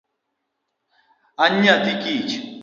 An nyathi kich.